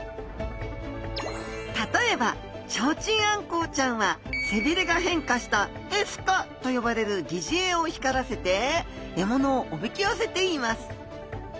例えばチョウチンアンコウちゃんは背びれが変化したエスカと呼ばれる疑似餌を光らせて獲物をおびき寄せています。